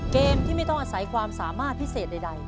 เกมที่ไม่ต้องอาศัยความสามารถพิเศษใด